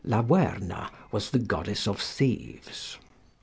(Laverna was the goddess of thieves.)